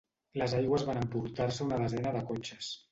Les aigües van emportar-se una desena de cotxes.